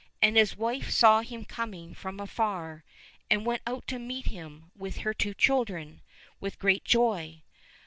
And his wife saw him coming from afar, and went out to meet him, with her two children, with great joy.